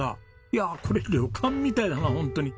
いやこれ旅館みたいだなホントに。